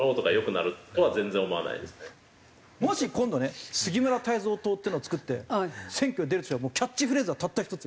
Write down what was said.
もし今度ね杉村太蔵党っていうのを作って選挙に出るとしたらキャッチフレーズはたった１つ。